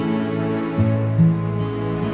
yaudah yuk jalan